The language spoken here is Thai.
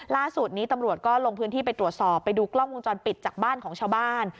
ล่าสุดนี้ตำรวจก็ลงพื้นที่ไปตรวจสอบไปดูกล้องวงจรปิดจากบ้านของชาวบ้าน